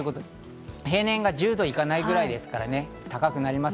平年が１０度いかないぐらいですから、高くなります。